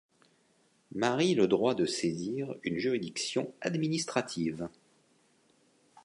Marie le droit de saisir une juridiction administrative.